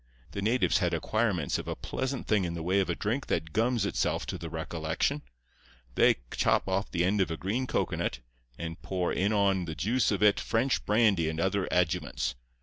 The natives had acquirements of a pleasant thing in the way of a drink that gums itself to the recollection. They chop off the end of a green cocoanut, and pour in on the juice of it French brandy and other adjuvants.